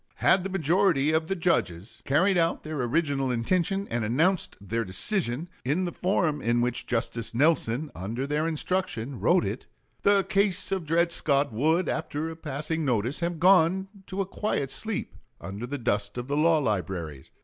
Had the majority of the judges carried out their original intention, and announced their decision in the form in which Justice Nelson, under their instruction, wrote it, the case of Dred Scott would, after a passing notice, have gone to a quiet sleep under the dust of the law libraries.